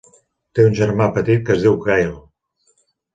Té un germà petit que es diu Kyle.